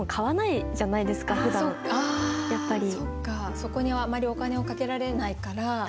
そこにあまりお金をかけられないから。